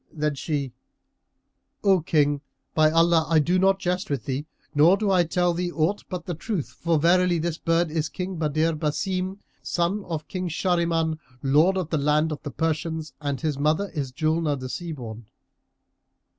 and she "O King, by Allah, I do not jest with thee nor do I tell thee aught but the truth; for verily this bird is King Badr Basim, son of King Shahriman, Lord of the land of the Persians, and his mother is Julnar the Sea born."